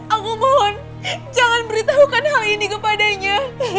aku mohon jangan beritahukan hal ini kepadanya